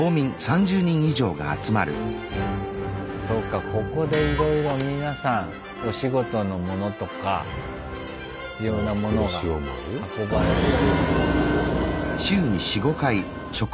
そうかここでいろいろ皆さんお仕事のものとか必要なものが運ばれてくる。